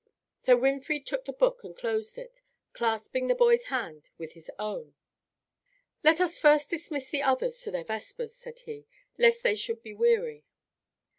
So Winfried took the book and closed it, clasping the boy's hand with his own. "Let us first dismiss the others to their vespers," said he, "lest they should be weary."